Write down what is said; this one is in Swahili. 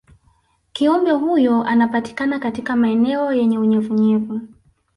kiumbe huyo anapatikana katika maeneo yenye unyevunyevu